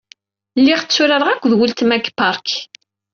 Lliɣ tturarɣ akd ultma g park.